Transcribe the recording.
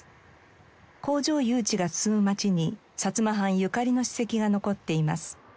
工場誘致が進む町に薩摩藩ゆかりの史跡が残っています。